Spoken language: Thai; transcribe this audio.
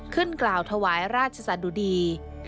กล่าวถวายราชสะดุดี